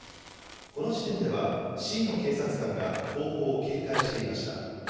この時点ではＣの警察官が後方を警戒していました。